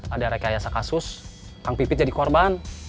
ada rekayasa kasus kang pipit jadi korban